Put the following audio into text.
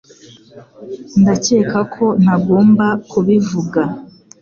Ndakeka ko ntagomba kubivuga